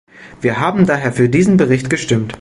Wir haben daher für diesen Bericht gestimmt.